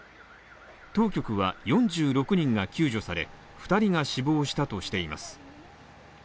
当局は４６人が救助され、２人が死亡したとしています。